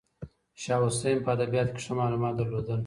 شاه حسین په ادبیاتو کې ښه معلومات درلودل.